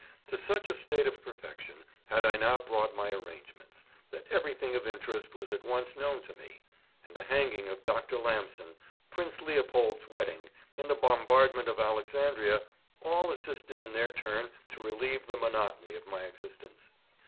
To such a state of perfection had I now brought my arrangements, that everything of interest was at once known to me; and the hanging of Dr. Lamson, Prince Leopold's wedding, and the bombardment of Alexandria, all assisted in their turn to relieve the monotony of my existence.